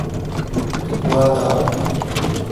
توگوا داؤؤن۔